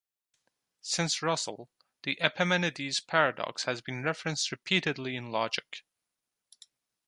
Since Russell, the Epimenides paradox has been referenced repeatedly in logic.